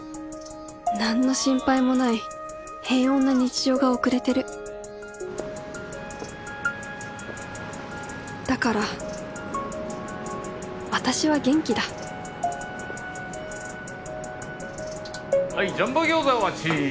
何の心配もない平穏な日常が送れてるだから私は元気だはいジャンボ餃子お待ち。